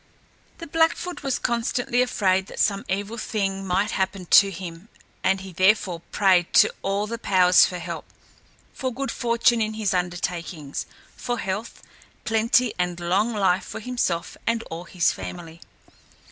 The Blackfoot was constantly afraid that some evil thing might happen to him, and he therefore prayed to all the powers for help for good fortune in his undertakings, for health, plenty, and long life for himself and all his family.